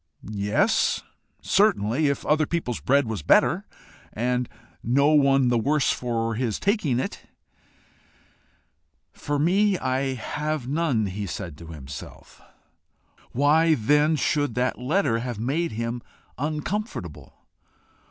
Yes, certainly if other people's bread was better, and no one the worse for his taking it. "For me, I have none," he said to himself. Why then should that letter have made him uncomfortable?